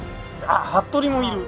あっ服部もいる！